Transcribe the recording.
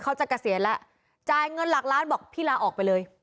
เกษียณแล้วจ่ายเงินหลักล้านบอกพี่ลาออกไปเลย